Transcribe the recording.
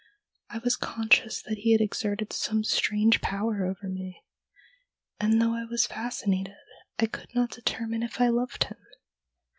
I was conscious that he had exerted some strange power over me, and, though I was fascinated, I could not determine if I loved him.'